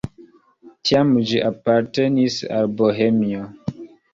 Tiam ĝi apartenis al Bohemio.